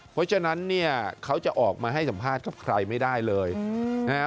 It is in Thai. เพราะฉะนั้นเนี่ยเขาจะออกมาให้สัมภาษณ์กับใครไม่ได้เลยนะฮะ